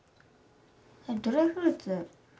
ドライフルーツ。